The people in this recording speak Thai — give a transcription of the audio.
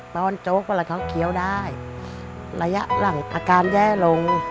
ตอนโจ๊กเวลาเขาเคี้ยวได้ระยะหลังอาการแย่ลง